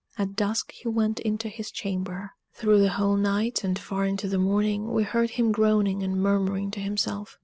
At dusk he went into his chamber. Through the whole night, and far into the morning, we heard him groaning and murmuring to himself.